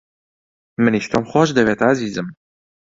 منیش تۆم خۆش دەوێت، ئازیزم.